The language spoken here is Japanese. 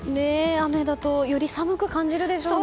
雨だとより寒く感じるでしょうね。